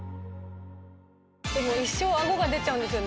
一生顎が出ちゃうんですよね。